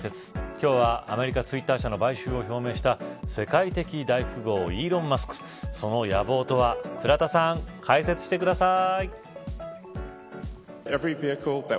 今日はアメリカツイッター社の買収を表明した世界的大富豪イーロン・マスクその野望とは倉田さん解説してください。